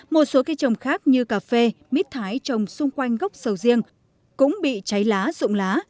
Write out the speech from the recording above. một số cây trồng khác như cà phê mít thái trồng xung quanh gốc sầu riêng cũng bị cháy lá rụng lá